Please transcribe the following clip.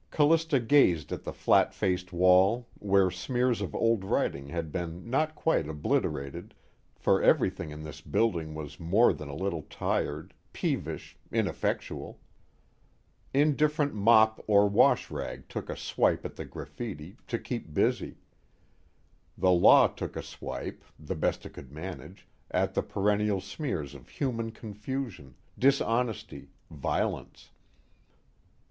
Callista gazed at the flat faced wall where smears of old writing had been not quite obliterated for everything in this building was more than a little tired, peevish, ineffectual. Indifferent mop or washrag took a swipe at the graffiti, to keep busy; the law took a swipe, the best it could manage, at the perennial smears of human confusion, dishonesty, violence.